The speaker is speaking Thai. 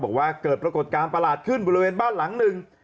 บอกว่าเกิดปรากฏการณ์ประหลาดขึ้นบริเวณบ้านหลังหนึ่ง